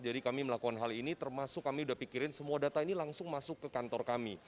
jadi kami melakukan hal ini termasuk kami sudah pikirin semua data ini langsung masuk ke kantor kami